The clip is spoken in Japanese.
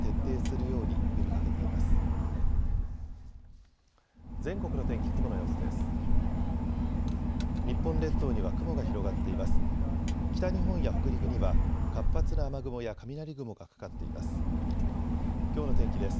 北日本や北陸には活発な雨雲や雷雲がかかっています。